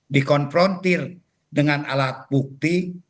dikonfrontir dengan alat bukti